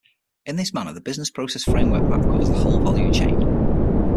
In this manner the Business Process Framework map covers the whole value chain.